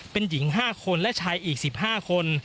เป็นหญิง๕คนและชายอีก๑๕คน